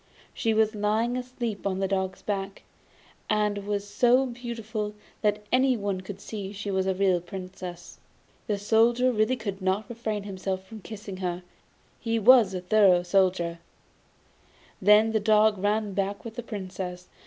She was lying asleep on the dog's back, and was so beautiful that anyone could see she was a real Princess. The Soldier really could not refrain from kissing her he was such a thorough Soldier. Then the dog ran back with the Princess.